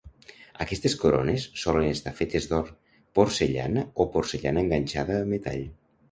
Aquestes corones solen estar fetes d'or, porcellana o porcellana enganxada a metall.